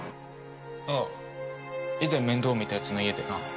ああ以前面倒見たやつの家でな。